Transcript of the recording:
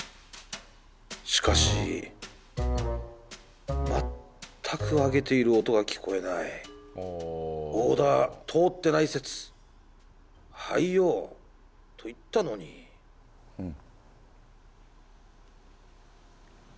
しかし全く揚げている音が聞こえないオーダー通ってない説「はいよ」と言ったのにうん？